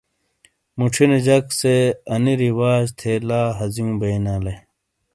موچھِینے جک سے آنی رواج تھے لا ہزیوں بینالے۔